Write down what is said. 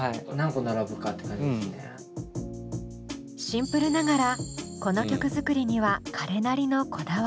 シンプルながらこの曲作りには彼なりのこだわりも。